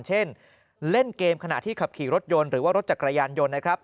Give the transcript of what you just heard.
เช่นเล่นเกมขณะที่ขับขี่รถยนต์หรือว่ารถจักรยานยนต์นะครับ